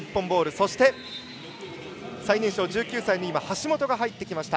そして、最年少１９歳の橋本が入ってきました。